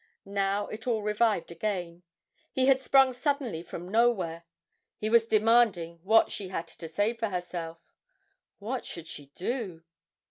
Now it all revived again; he had sprung suddenly from nowhere he was demanding what she had to say for herself what should she do?